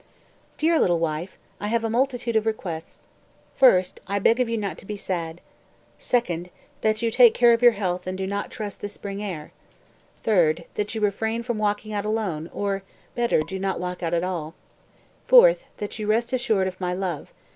197. "Dear little wife, I have a multitude of requests; 1mo, I beg of you not to be sad. "2do, that you take care of your health and not trust the spring air. "3tio, that you refrain from walking out alone, or, better, do not walk out at all. "4to, that you rest assured of my love.